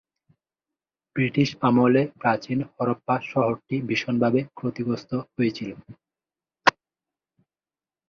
British আমলে প্রাচীন হরপ্পা শহরটি ভীষণভাবে ক্ষতিগ্রস্ত হয়েছিল।